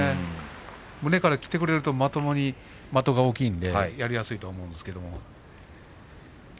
胸からきてくれると的も大きいのでやりやすいと思うんですが